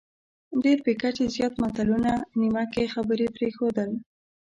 ډېر بې کچې زیات متلونه، نیمه کې خبرې پرېښودل،